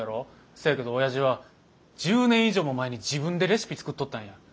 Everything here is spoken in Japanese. そやけどおやじは１０年以上も前に自分でレシピ作っとったんや。